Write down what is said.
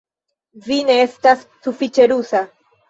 Vi ne estas sufiĉe rusa